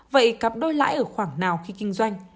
vậy cặp đôi lãi ở khoảng nào khi kinh doanh